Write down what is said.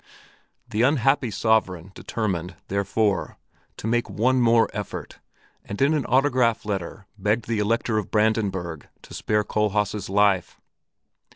The unhappy sovereign determined, therefore, to make one more effort, and in an autograph letter begged the Elector of Brandenburg to spare Kohlhaas' life.